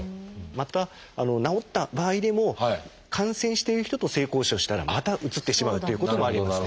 また治った場合でも感染している人と性交渉したらまたうつってしまうっていうこともありますね。